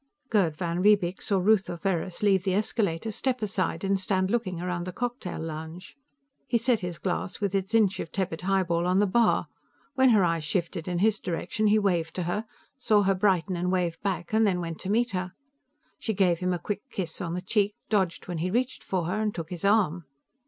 Gerd van Riebeek saw Ruth Ortheris leave the escalator, step aside and stand looking around the cocktail lounge. He set his glass, with its inch of tepid highball, on the bar; when her eyes shifted in his direction, he waved to her, saw her brighten and wave back and then went to meet her. She gave him a quick kiss on the cheek, dodged when he reached for her and took his arm.